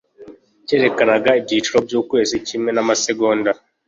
cyerekanaga ibyiciro byukwezi kimwe namasegonda